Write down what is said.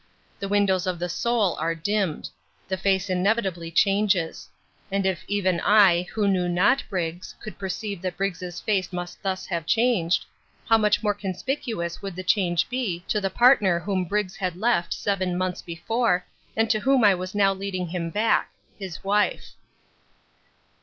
The windows of the soul are dimmed. The face inevitably changes. And if even I, who knew not Briggs, could perceive that Briggs's face must thus have changed, how much more conspicuous would the change be to the partner whom Briggs had left seven months before and to whom I was now leading him back his wife.